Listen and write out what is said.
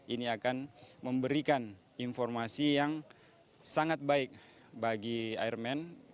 ini akan memberikan informasi yang sangat baik bagi air man